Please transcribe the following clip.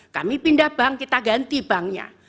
kami pindah bank kita ganti banknya